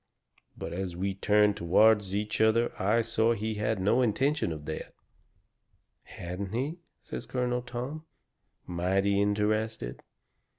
But as we turned toward each other I saw he had no intention of that sort." "Hadn't he?" says Colonel Tom, mighty interested.